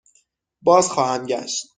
بازخواهم گشت.